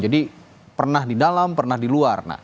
jadi pernah di dalam pernah di luar